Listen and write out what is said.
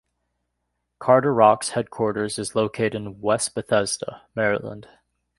Carderock's Headquarters is located in West Bethesda, Maryland.